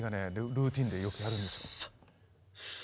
ルーティーンでよくやるんですよ。